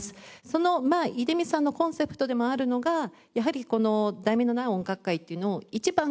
その出光さんのコンセプトでもあるのがやはりこの『題名のない音楽会』っていうのを一番